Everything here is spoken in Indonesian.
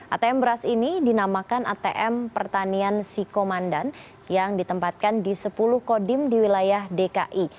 atm beras ini dinamakan atm pertanian sikomandan yang ditempatkan di sepuluh kodim di wilayah dki